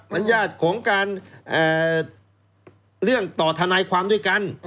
มันญาติของการเรื่องต่อทนายความด้วยกัน